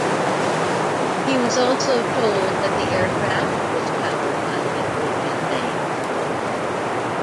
He was also told that the aircraft was powered by "liquid methane".